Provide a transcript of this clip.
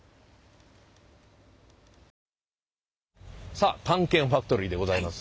さあ「探検ファクトリー」でございます。